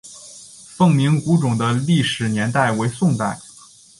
凤鸣古冢的历史年代为宋代。